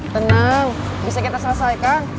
tenang bisa kita selesaikan